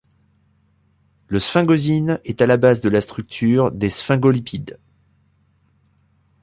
La sphingosine est à la base de la structure des sphingolipides.